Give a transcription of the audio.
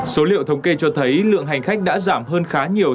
số liệu thống kê cho thấy lượng hành khách đã giảm hơn khá nhiều